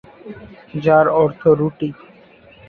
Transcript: যার অর্থ "রুটি"।